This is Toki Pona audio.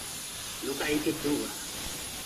luka ike tu a.